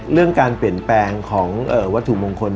เรื่องการเปลี่ยนแปลงของวัตถุมงคล